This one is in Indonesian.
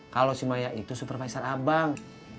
kalau si maya itu supervisor abang